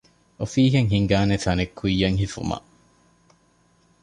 އޮފީހެއް ހިންގާނޭ ތަނެއް ކުއްޔަށް ހިފުމަށް